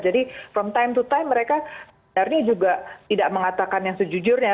jadi from time to time mereka sebenarnya juga tidak mengatakan yang sejujurnya